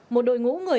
một đội ngũ người